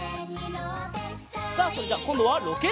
さあそれじゃあこんどはロケットをつくります。